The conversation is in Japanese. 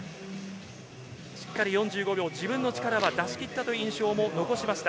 しっかり４５秒、自分の力は出し切ったという印象も残しました。